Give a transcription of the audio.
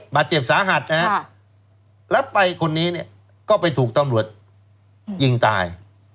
บาดเจ็บสาหัสนะฮะแล้วไปคนนี้เนี่ยก็ไปถูกตำรวจยิงตาย